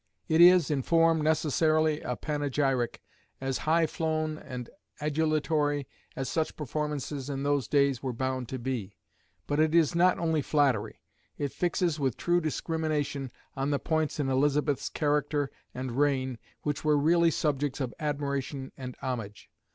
It is, in form, necessarily a panegyric, as high flown and adulatory as such performances in those days were bound to be. But it is not only flattery. It fixes with true discrimination on the points in Elizabeth's character and reign which were really subjects of admiration and homage.